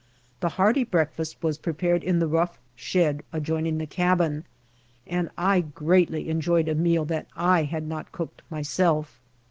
The hearty breakfast was pre pared in the rough shed adjoining the cabin and I greatly enjoyed a meal that I had not cooked myself.